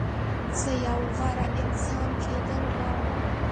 زه یو غوره انسان کېدل غواړم.